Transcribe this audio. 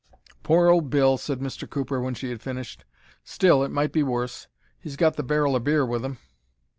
"Poor old Bill," said Mr. Cooper, when she had finished. "Still, it might be worse; he's got the barrel o' beer with him."